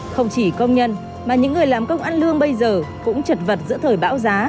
không chỉ công nhân mà những người làm công ăn lương bây giờ cũng chật vật giữa thời bão giá